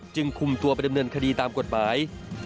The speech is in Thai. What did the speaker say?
คุมตัวไปดำเนินคดีตามกฎหมาย